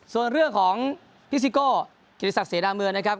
ส่วนเรื่องของภิกษิโกคิดศักดิ์เสนอเมืองนะครับ